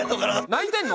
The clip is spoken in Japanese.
泣いてんの？